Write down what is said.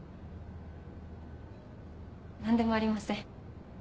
何でもありません。